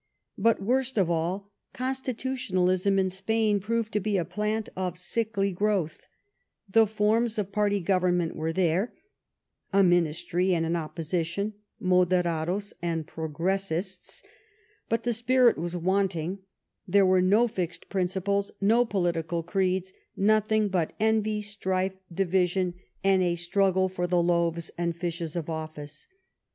But, worst of all. Constitutionalism in Spain proved to be a plant of sickly growth ; the forms of party government were there, a ministry and an opposition, Moderados and Progressists, but the spirit was wanting ; there were no fixed principles, no political creeds, nothing but envy, strife, division, and a struggle THE QUADEUPLE ALLIANCE. 59 for the loaves and fishes of office.